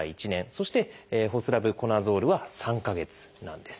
そしてホスラブコナゾールは３か月なんです。